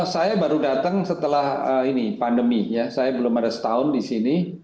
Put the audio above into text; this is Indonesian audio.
saya baru datang setelah ini pandemi ya saya belum ada setahun di sini